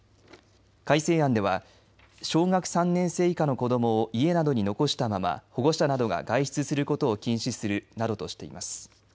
改正案では小学３年生以下の子どもを家などに残したまま保護者などが外出することを禁止するなどとしています。